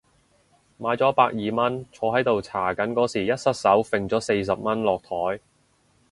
買咗百二蚊，坐喺度搽緊嗰時一失手揈咗四十蚊落枱